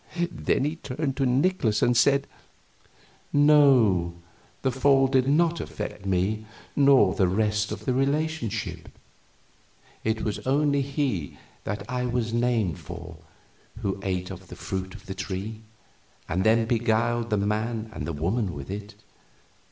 Then he turned to Nikolaus and said: "No, the Fall did not affect me nor the rest of the relationship. It was only he that I was named for who ate of the fruit of the tree and then beguiled the man and the woman with it.